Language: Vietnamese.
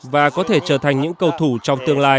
và có thể trở thành những cầu thủ trong tương lai